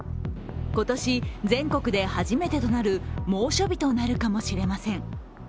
今年、全国で初めてとなる猛暑日となるかもしれません。